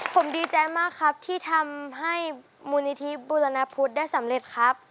ผมดีใจมากครับที่ทำให้มูลนิธิบูรณพุทธได้สำเร็จครับ